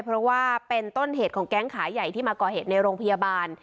เพราะว่าเป็นต้นเหตุของแก๊งขายใหญ่ที่มาก่อเหตุในโรงพยาบาล